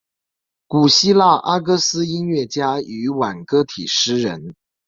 古希腊阿哥斯音乐家与挽歌体诗人。